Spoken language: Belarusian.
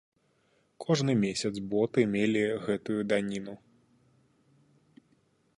Кожны месяц боты мелі гэтую даніну.